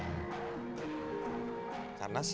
karena waktu itu kita sudah berada di negara negara kita